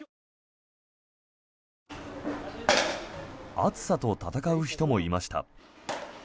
暑さと戦う人もいました。